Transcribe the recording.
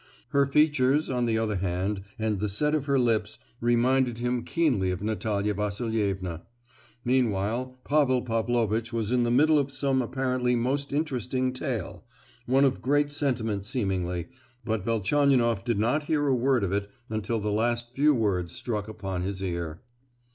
Her features, on the other hand, and the set of her lips, reminded him keenly of Natalia Vasilievna. Meanwhile Pavel Pavlovitch was in the middle of some apparently most interesting tale—one of great sentiment seemingly,—but Velchaninoff did not hear a word of it until the last few words struck upon his ear